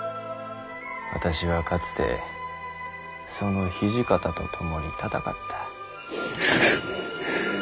私はかつてその土方と共に戦った。